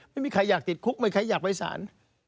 ไม่มีใครอยากติดคุกไม่มีใครอยากไปสาร